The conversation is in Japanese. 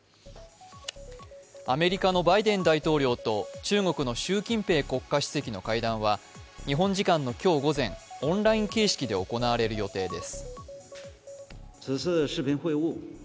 アメリカのバイデン大統領と中国の習近平国家主席の会談は日本時間の今日午前、オンライン形式で行われる予定です。